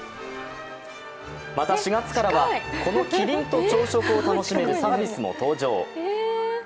また４月からは、このキリンと朝食を楽しめるサービスも登場。